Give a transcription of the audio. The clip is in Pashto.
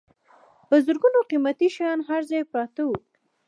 په زرګونو قیمتي شیان هر ځای پراته وو.